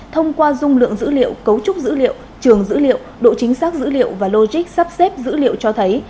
thông qua dung lượng dữ liệu cấu trúc dữ liệu trường dữ liệu độ chính xác dữ liệu và logic sắp xếp dữ liệu cho thấy